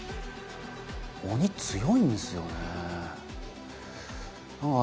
鬼強いんですよねぇ。